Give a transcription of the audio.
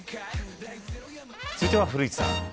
続いては古市さん。